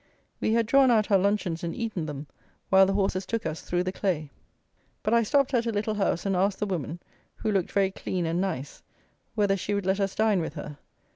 We had drawn out our luncheons and eaten them while the horses took us through the clay; but I stopped at a little house, and asked the woman, who looked very clean and nice, whether she would let us dine with her.